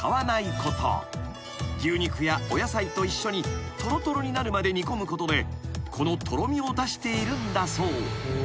［牛肉やお野菜と一緒にとろとろになるまで煮込むことでこのとろみを出しているんだそう］